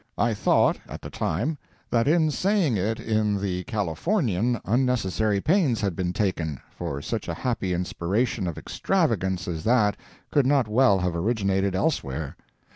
I thought, at the time, that in saying it in the Californian unnecessary pains had been taken, for such a happy inspiration of extravagance as that could not well have originated elsewhere.